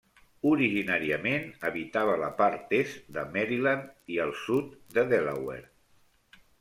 Originàriament habitava la part est de Maryland i al sud de Delaware.